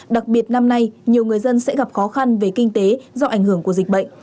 đặc biệt năm nay nhiều người dân sẽ gặp khó khăn về kinh tế do ảnh hưởng của dịch bệnh